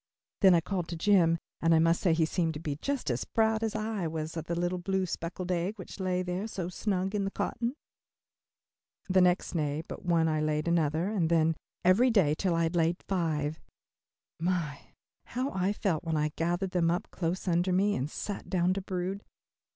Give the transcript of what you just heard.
Then I called to Jim and I must say he seemed to be just as proud as I was of the little blue speckled egg which lay there so snug in the cotton. The next day but one I laid another, and then one every day till I had laid five. My, how I felt when I gathered them up close under me and sat down to brood.